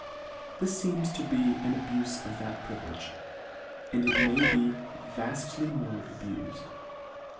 This feems to be an abufe of that privilege, and it may be vaftly more abufed.